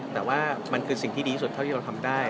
แต่ว่ามันคือสิ่งที่ดีที่สุดเท่าที่เราทำได้